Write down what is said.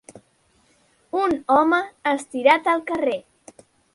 Un home estirat al carrer.